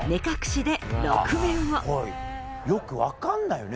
よく分かんないよね